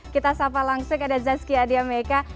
kita sapa langsung ada zazki adiameka